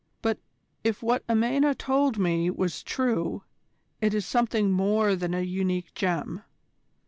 "But if what Amena told me was true, it is something more than a unique gem.